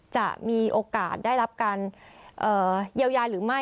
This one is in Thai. จะมีโอกาสได้รับการเยียวยาหรือไม่